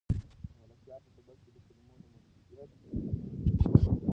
د ملکیار په سبک کې د کلمو د موسیقیت اغېز ډېر دی.